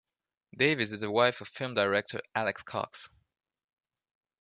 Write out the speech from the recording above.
Davies is the wife of film director Alex Cox.